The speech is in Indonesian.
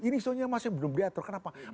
ini siapapun yang belum diatur